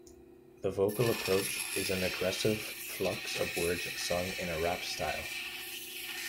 The vocal approach is an aggressive flux of words sung in a rap style.